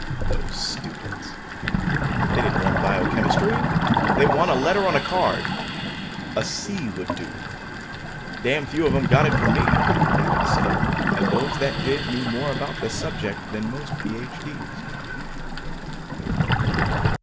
Those students! They didn't want biochemistry; they want a letter on a card; a "C" would do. Damn few of them got it from me, I'm happy to say, and those that did, knew more about the subject than most PhD's.